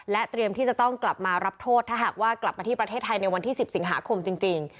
เตรียมที่จะต้องกลับมารับโทษถ้าหากว่ากลับมาที่ประเทศไทยในวันที่๑๐สิงหาคมจริง